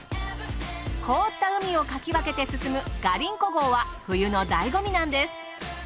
凍った海をかき分けて進むガリンコ号は冬のだいご味なんです。